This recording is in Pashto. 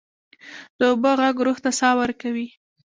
د اوبو ږغ روح ته ساه ورکوي.